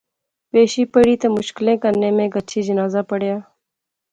پیشی پڑھی تے مشکلیں کنے میں گچھی جنازہ پڑھیا